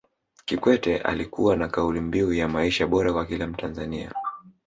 Kikwete alikuwa na kauli mbiu ya maisha bora kwa kila mtanzania